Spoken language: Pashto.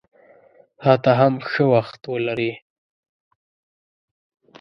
تاته هم ښه وخت ولرې!